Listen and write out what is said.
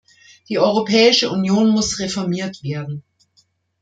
Die Europäische Union muss reformiert werden.